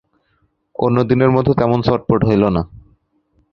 অন্যদিনের মতো তেমন চটপট হইল না।